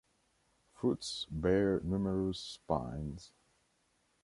Fruits bear numerous spines.